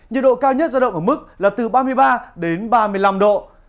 nhiệt độ cao nhất giao động ở mức là từ ba mươi ba đến ba mươi năm độ